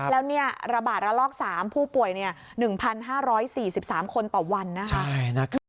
แล้วระบาดระลอก๓ผู้ป่วย๑๕๔๓คนต่อวันนะคะ